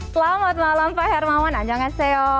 selamat malam pak hermawan anjang asio